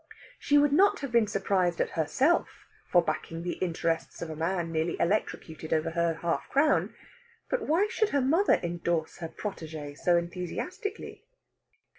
She would not have been surprised at herself for backing the interests of a man nearly electrocuted over her half crown, but why should her mother endorse her protégé so enthusiastically?